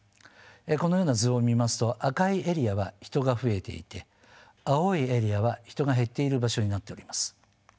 このような図を見ますと赤いエリアは人が増えていて青いエリアは人が減っている場所になっております。